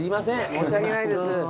申し訳ないです。